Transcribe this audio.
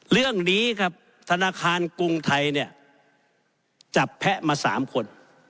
เรื่องนี้ครับธนาคารกรุงไทยเนี่ยจับแพะมา๓คน